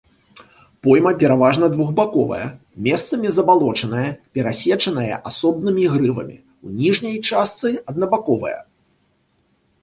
Пойма пераважна двухбаковая, месцамі забалочаная, перасечаная асобнымі грывамі, у ніжняй частцы аднабаковая.